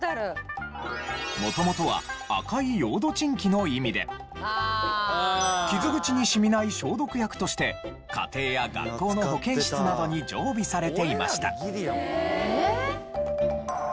元々は赤いヨードチンキの意味で傷口に染みない消毒薬として家庭や学校の保健室などに常備されていました。